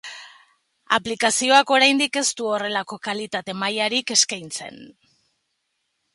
Aplikazioak oraindik ez du horrelako kalitate-mailarik eskaintzen